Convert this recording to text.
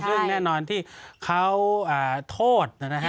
ซึ่งแน่นอนที่เขาโทษนะฮะ